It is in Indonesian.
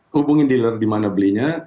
hubungi dealer di mana belinya